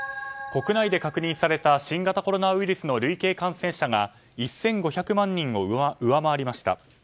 国内で確認された新型コロナウイルスの累計感染者が１５００万人を上回りました。